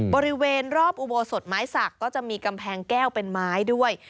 บริเวณรอบอุโบสถไม้สักก็จะมีกำแพงแก้วเป็นไม้ด้วย